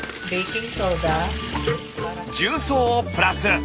重曹をプラス。